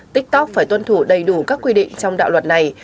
tiktok phải tuân thủ đầy đủ các quy định trong đạo luật này